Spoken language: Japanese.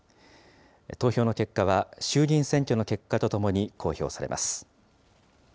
投票の結果は衆議院選挙の結果とともに公表されます。